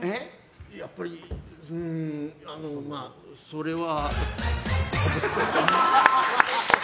やっぱりまあ、それは。